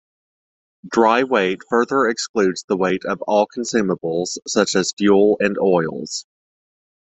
Dry weight further excludes the weight of all consumables, such as fuel and oils.